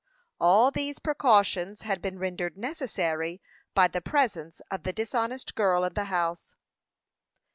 All these precautions had been rendered necessary by the presence of the dishonest girl in the house.